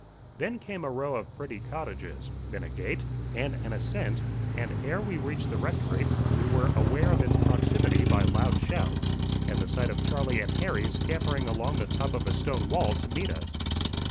Then came a row of pretty cottages; then a gate, and an ascent, and ere we reached the rectory, we were aware of its proximity by loud shouts, and the sight of Charlie and Harry scampering along the top of a stone wall to meet us.